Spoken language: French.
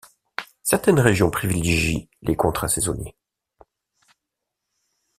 Certaines régions privilégient les contrats saisonniers.